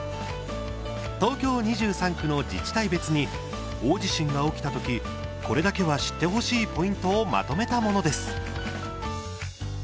東京２３区の自治体別に大地震が起きた時これだけは知ってほしいポイントをまとめたものです。